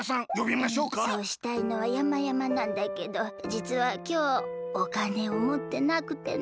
そうしたいのはやまやまなんだけどじつはきょうおかねをもってなくてねえ。